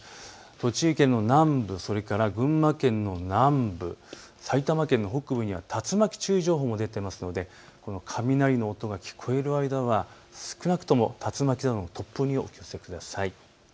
栃木県の南部、それから群馬県の南部、埼玉県の北部には竜巻注意情報も出ていますので雷の音が聞こえる間は少なくとも竜巻などの突風にお気をつけください。